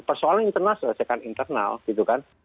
persoalan internal selesaikan internal gitu kan